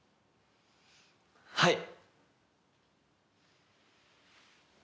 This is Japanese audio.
はい！